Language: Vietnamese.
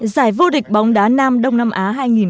giải vô địch bóng đá nam đông nam á hai nghìn hai mươi